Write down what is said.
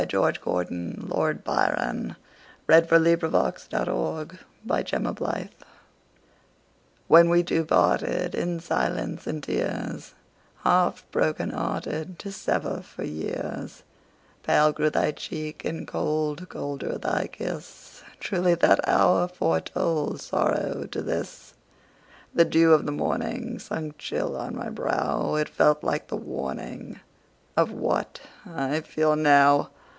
George Gordon, Lord Byron 468. When We Two Parted WHEN we two partedIn silence and tears, Half broken hearted, To sever for years, Pale grew thy cheek and cold, Colder thy kiss; Truly that hour foretoldSorrow to this! The dew of the morningSunk chill on my brow; It felt like the warningOf what I feel now.